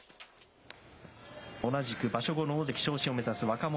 同じく場所後の大関昇進を目指す若元